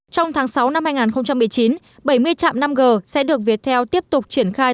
trong tháng sáu năm hai nghìn một mươi chín bảy mươi trạm năm g sẽ được viettel tiếp tục triển khai